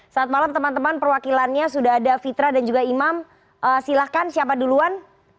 saat malam teman teman perwakilannya sudah ada fitra dan juga imam silahkan siapa duluan